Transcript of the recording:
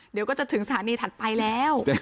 เดี๋ยวก็จะถึงสถานีถัดไปแล้ว